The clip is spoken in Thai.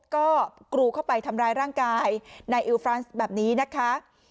ก็กรูเข้าไปทำร้ายร่างกายนายอิลฟรานซ์แบบนี้นะคะ